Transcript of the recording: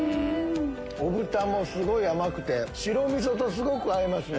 お豚もすごい甘くて白味噌とすごく合いますね。